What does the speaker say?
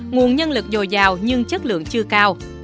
nguồn nhân lực dồi dào nhưng chất lượng chưa cao